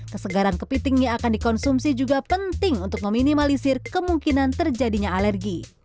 kesegaran kepiting yang akan dikonsumsi juga penting untuk meminimalisir kemungkinan terjadinya alergi